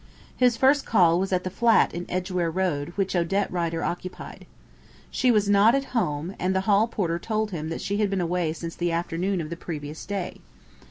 His first call was at the flat in Edgware Road which Odette Rider occupied. She was not at home, and the hall porter told him that she had been away since the afternoon of the previous day.